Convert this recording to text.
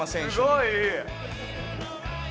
すごいいい！